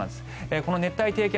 この熱帯低気圧